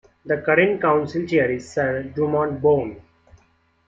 The current Council Chair is Sir Drummond Bone.